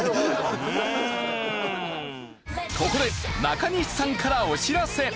ここで中西さんからお知らせ！